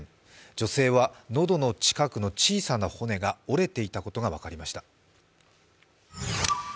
女性は喉の近くの小さな骨が折れていたことが分かりました。